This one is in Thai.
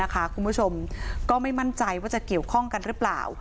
คุณผู้ชมก็ไม่มั่นใจว่าจะเกี่ยวข้องกันหรือเปล่า